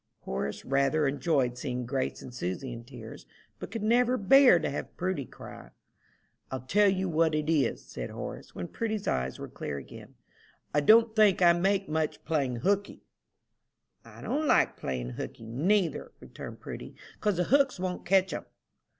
Horace rather enjoyed seeing Grace and Susy in tears, but could never bear to have Prudy cry. "I'll tell you what it is," said Horace, when Prudy's eyes were clear again, "I don't think I make much playing hookey." "I don't like playing 'hookey' neither," returned Prudy, "'cause the hooks won't catch 'em."